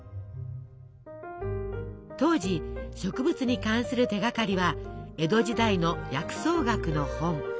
当時植物に関する手がかりは江戸時代の薬草学の本。